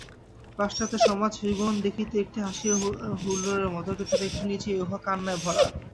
পাশ্চাত্যের সমাজ-জীবন দেখিতে একটি হাসির হুল্লোড়ের মত, কিন্তু একটু নীচেই উহা কান্নায় ভরা।